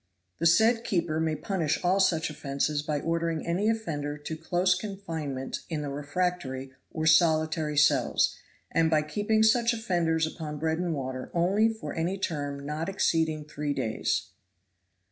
The said keeper may punish all such offenses by ordering any offender to close confinement in the refractory or solitary cells, and by keeping such offenders upon bread and water only for any term not exceeding three days.'"